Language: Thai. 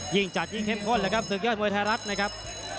ยิ่งจัดยิ่งเข้มข้นสื่อเกียรติมวยไทยรัฐนะครับ